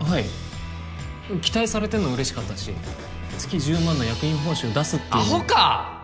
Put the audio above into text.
はい期待されてるの嬉しかったし月１０万の役員報酬出すっていうアホか！